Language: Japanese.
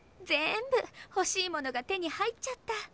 全部欲しいものが手に入っちゃった。